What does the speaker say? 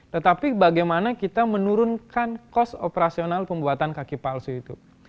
tetapi bagaimana kita menurunkan kos operasional pembuatan kaki palsu itu